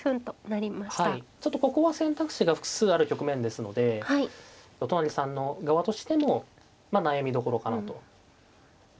ちょっとここは選択肢が複数ある局面ですので都成さんの側としても悩みどころかなと。